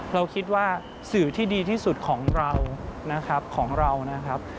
เราคิดว่าสื่อที่ดีที่สุดของเรา